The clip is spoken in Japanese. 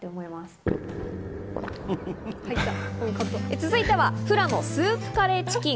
続いては富良野スープカレーチキン。